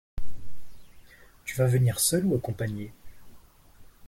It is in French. Tu vas venir seul ou accompagné?